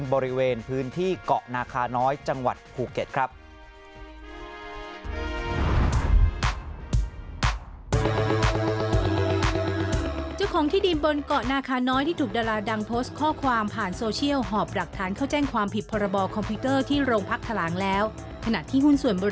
บริเวณพื้นที่เกาะนาคาน้อยจังหวัดภูเก็ตครับ